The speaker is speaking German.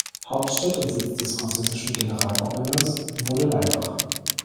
Hauptstadt und Sitz des französischen Generalgouverneurs wurde Laibach.